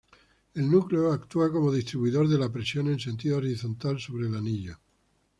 El núcleo actúa como distribuidor de la presión en sentido horizontal sobre el anillo.